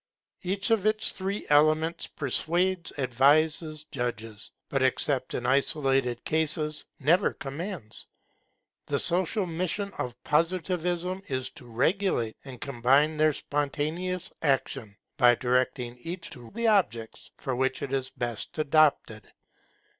Each of its three elements persuades, advises, judges; but except in isolated cases, never commands. The social mission of Positivism is to regulate and combine their spontaneous action, by directing each to the objects for which it is best adapted.